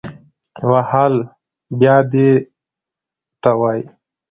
وهل بیا دې ته وایي